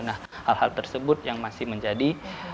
nah hal hal tersebut yang masih menjadi